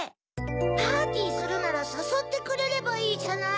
パーティーするならさそってくれればいいじゃない。